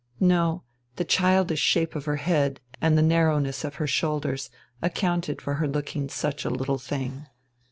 No, the childish shape of her head and the narrowness of her shoulders accounted for her looking such a little thing.